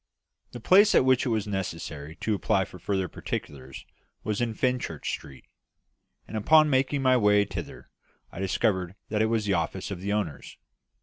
The place at which it was necessary to apply for further particulars was in Fenchurch Street; and upon making my way thither, I discovered that it was the office of the owners.